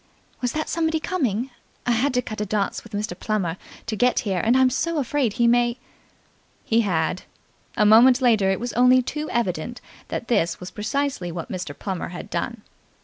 "Was that somebody coming? I had to cut a dance with Mr. Plummer to get here, and I'm so afraid he may. .." He had. A moment later it was only too evident that this was precisely what Mr. Plummer had done.